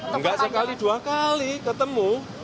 enggak sekali dua kali ketemu